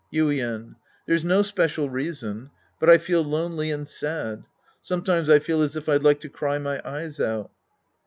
Yuien. There's no special reason. But I feel lonely and sad. Sometimes I feel as if I'd like to ciy my e yes out.